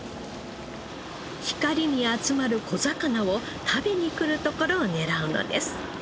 光に集まる小魚を食べに来るところを狙うのです。